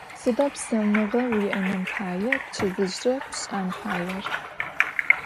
Sıda psaunığe vui'enım paê pçedıjre pş'en faêr?